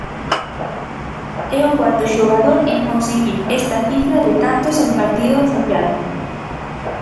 É o cuarto xogador en conseguir esta cifra de tantos en partido oficial.